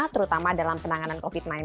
terutama dalam penanganan covid sembilan belas